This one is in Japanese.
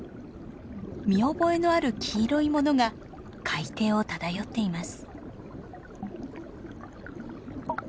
見覚えのある黄色いものが海底を漂っています。